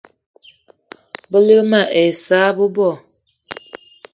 Balig mal ai issa bebo